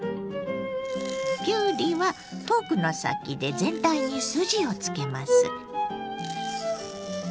きゅうりはフォークの先で全体に筋をつけます。